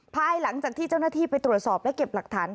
ภายหลังจากที่เจ้าหน้าที่ไปตรวจสอบและเก็บหลักฐาน